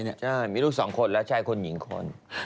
ใช่มีสองคนแล้วชายคนนิ่งคนนี่